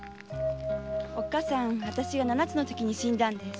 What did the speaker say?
おっかさんわたしが七つのときに死んだんです。